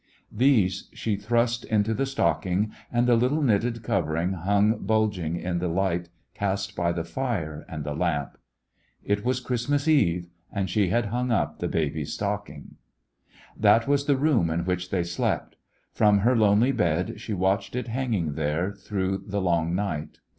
These she thrust into the stocking, and the little knitted covering hung bulging in the light cast by the fire and the lamp. It was Christmas Eve, and she had himg up the baby's stocking! That was the room in which they slept. From her lonely bed she watched it hanging there through the long night.